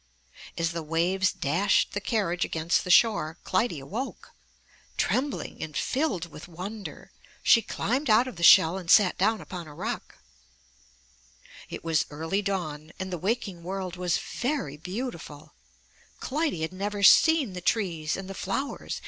As the waves dashed the carriage against the shore, Clytie awoke. Trembling and filled with wonder she climbed out of the shell and sat down upon a rock. It was early dawn, and the waking world was very beautiful. Clytie had never seen the trees and the 124 UP ONE PAIR OF STAIRS 125 MY BOOK HOUSE flowers.